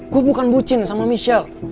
gue bukan bucin sama michelle